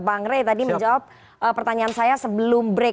bang rey tadi menjawab pertanyaan saya sebelum break